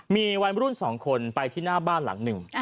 มีวัยรุ่น๒คนไปที่หน้าบ้านหลังหนึ่ง